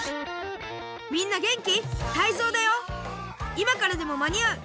「いまからでもまにあう！